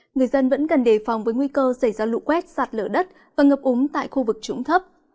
người dân vẫn cần đề phòng với nguy cơ xảy ra lũ quét sạt lở đất và ngập úng tại khu vực trũng thấp